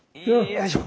よいしょ。